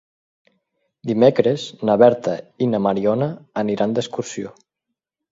Dimecres na Berta i na Mariona aniran d'excursió.